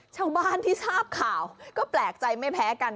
ชาวบ้านที่ทราบข่าวก็แปลกใจไม่แพ้กัน